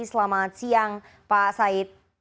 selamat siang pak said